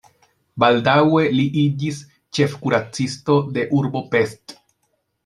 Baldaŭe li iĝis ĉefkuracisto de urbo Pest.